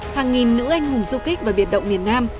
hàng nghìn nữ anh hùng du kích và biệt động miền nam